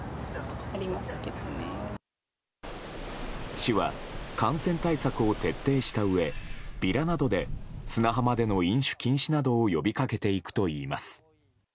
市は、感染対策を徹底したうえビラなどで砂浜での飲酒禁止などを呼び掛けていくといいます。